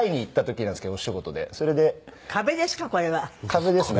壁ですね。